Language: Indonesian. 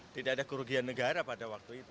tidak ada kerugian negara pada waktu itu